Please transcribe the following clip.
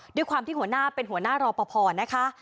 ด้วยความที่หัวหน้าเป็นหัวหน้ารอปภนะคะ